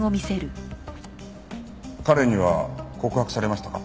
彼には告白されましたか？